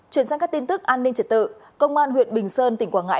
chuyển sang các tin tức an ninh trật tự công an huyện bình sơn tỉnh quảng ngãi